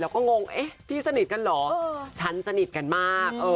เราก็งงพี่สนิทกันเหรอฉันสนิทกันมาก